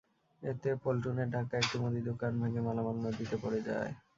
এতে পন্টুনের ধাক্কায় একটি মুদি দোকান ভেঙে মালামাল নদীতে পড়ে যায়।